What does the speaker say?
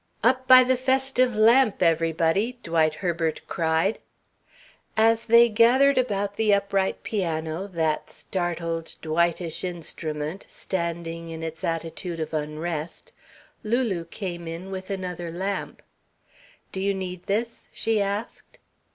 "Up by the festive lamp, everybody!" Dwight Herbert cried. As they gathered about the upright piano, that startled, Dwightish instrument, standing in its attitude of unrest, Lulu came in with another lamp. "Do you need this?" she asked.